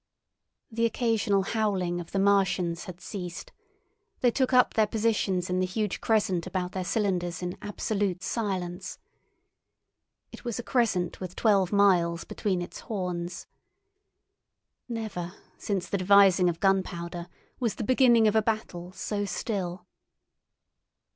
The occasional howling of the Martians had ceased; they took up their positions in the huge crescent about their cylinders in absolute silence. It was a crescent with twelve miles between its horns. Never since the devising of gunpowder was the beginning of a battle so still.